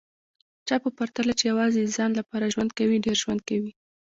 چا په پرتله چي یوازي د ځان لپاره ژوند کوي، ډېر ژوند کوي